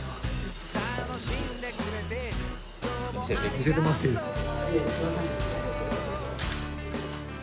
見せてもらっていいですか？